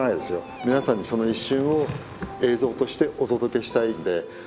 皆さんにその一瞬を映像としてお届けしたいんで。